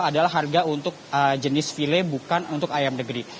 adalah harga untuk jenis file bukan untuk ayam negeri